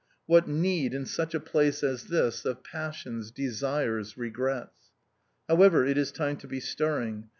What need, in such a place as this, of passions, desires, regrets? However, it is time to be stirring.